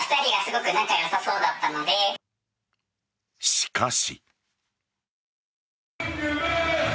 しかし。